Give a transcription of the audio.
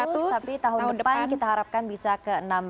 tapi tahun depan kita harapkan bisa ke enam belas